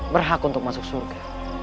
berhak untuk masuk surga